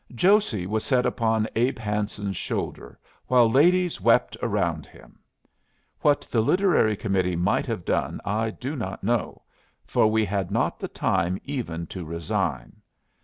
Josey was set upon Abe Hanson's shoulder, while ladies wept around him. What the literary committee might have done I do not know, for we had not the time even to resign.